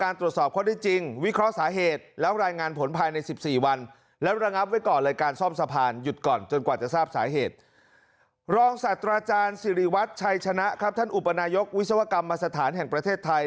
สัตว์อาจารย์สิริวัตรชัยชนะครับท่านอุปนายกวิศวกรรมสถานแห่งประเทศไทย